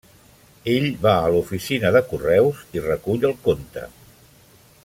Ell va a l'oficina de correus i recull el conte.